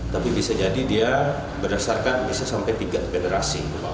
tapi bisa jadi dia berdasarkan bisa sampai tiga generasi